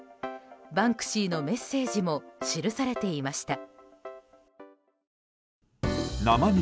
バンクシーのメッセージも記されていました。